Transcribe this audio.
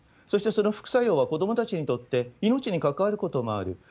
そしてその副作用は子どもたちにとって命に関わることもある。